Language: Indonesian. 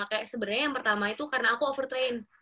kayak sebenarnya yang pertama itu karena aku overtrain